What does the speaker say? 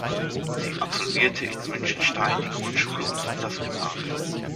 Sie absolvierte in Münchenstein die Grundschule und das Gymnasium.